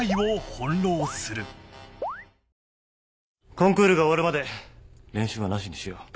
コンクールが終わるまで練習はなしにしよう。